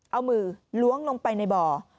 เอามือล้วงลงไปในบ่อ